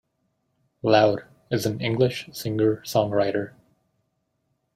Loud, is an English singer-songwriter.